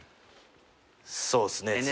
そうっすね。